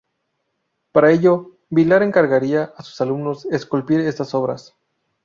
Para ello Vilar encargaría a sus alumnos esculpir estas obras.